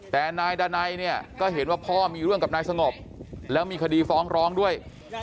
แต่นายดานัยเนี่ยก็เห็นว่าพ่อมีเรื่องกับนายสงบแล้วมีคดีฟ้องร้องด้วย